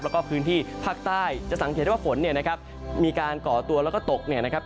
แล้วก็พื้นที่ภาคใต้จะสังเกตว่าฝนเนี่ยนะครับมีการก่อตัวแล้วก็ตกเนี่ยนะครับ